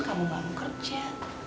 kamu nggak mau kerja